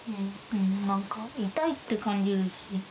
なんか、痛いって感じるし。